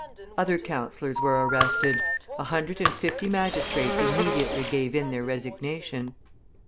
Other councillors were arrested; a hundred and fifty magistrates immediately gave in their resignation.